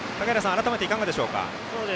改めていかがでしょうか。